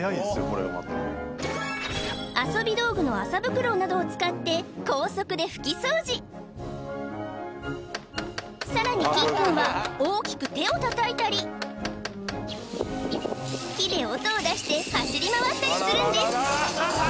これがまた遊び道具の麻袋などを使って高速で拭き掃除さらにキンくんは大きく手を叩いたり木で音を出して走り回ったりするんです